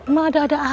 ma ada ada aja deh